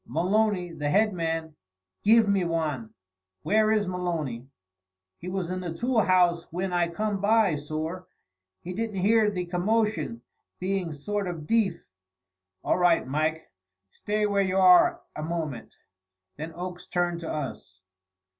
Maloney, the head man, giv me wan." "Where is Maloney?" "He was in the tool house whin I come by, sorr. He didn't hear the commotion, being sort o' deef." "All right, Mike! Stay where you are a moment." Then Oakes turned to us.